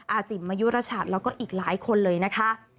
จิ๋มมายุรชัดแล้วก็อีกหลายคนเลยนะคะ